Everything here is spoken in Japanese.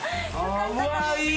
うわいい！